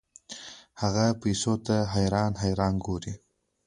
هغه پیسو ته حیران حیران ګوري.